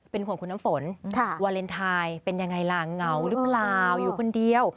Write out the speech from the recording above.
ห่วงคุณน้ำฝนวาเลนไทยเป็นยังไงล่ะเหงาหรือเปล่าอยู่คนเดียว